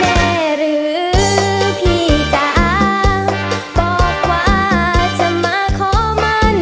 หรือพี่จ๋าบอกว่าจะมาขอมัน